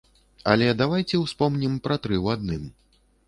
Але давайце ўспомнім пра тры ў адным.